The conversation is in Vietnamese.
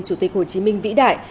chủ tịch hồ chí minh vĩ đại